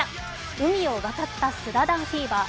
海を渡った「スラダン」フィーバー。